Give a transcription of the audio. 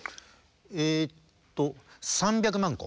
えっと３００万個。